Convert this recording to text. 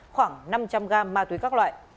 khoảng năm trăm linh gram ma túy các loại